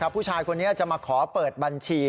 ผู้ชายคนนี้จะมาขอเปิดบัญชี